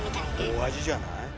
大味じゃない？